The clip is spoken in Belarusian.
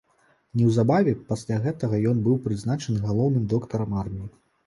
Неўзабаве пасля гэтага ён быў прызначаны галоўным доктарам арміі.